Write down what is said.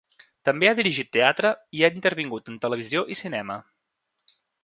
També ha dirigit teatre, i ha intervingut en televisió i cinema.